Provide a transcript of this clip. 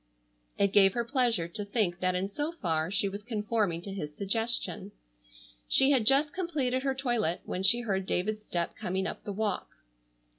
It gave her pleasure to think that in so far she was conforming to his suggestion. She had just completed her toilet when she heard David's step coming up the walk.